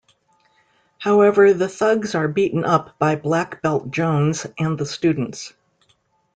However, the thugs are beaten up by Black Belt Jones and the students.